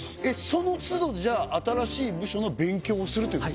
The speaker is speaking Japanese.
そのつどじゃあ新しい部署の勉強をするということ？